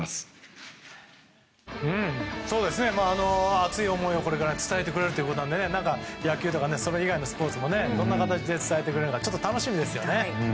熱い思いをこれから伝えてくれるということなので野球とかそれ以外のスポーツでもどんな形で伝えてくれるのか楽しみですね。